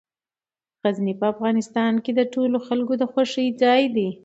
غزني په افغانستان کې د ټولو خلکو د خوښې ځای دی.